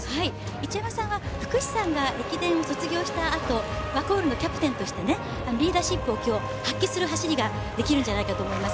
一山さんは福士さんが駅伝を卒業したあと、ワコールのキャプテンとしてリーダーシップを今日、発揮する走りができるんじゃないかと思います。